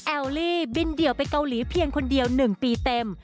แอลลี่บินเดี่ยวไปเกาหลีเพียงคนเดียว๑ปีเต็ม